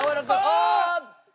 あーっと！